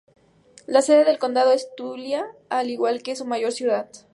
La sede del condado es Tulia, al igual que su mayor ciudad.